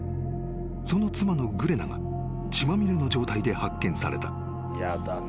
［その妻のグレナが血まみれの状態で発見された］